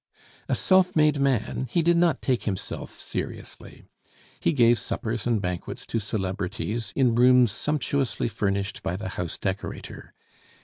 A self made man, he did not take himself seriously. He gave suppers and banquets to celebrities in rooms sumptuously furnished by the house decorator.